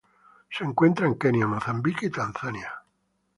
Se la encuentra en Kenia, Mozambique, y Tanzania.